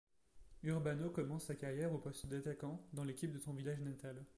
Urbano commence sa carrière au poste d'attaquant dans l'équipe de son village natal.